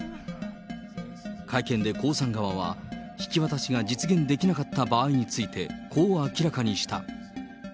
会見で江さん側は、引き渡しが実現できなかった場合について、こう明らかにした。